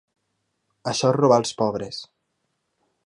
Això és robar als pobres.